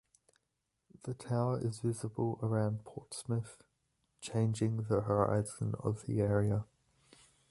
The tower is visible around Portsmouth, changing the horizon of the area.